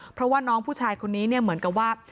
เพราะว่าน้องผู้ชายคนนี้เนี่ยเหมือนกับว่า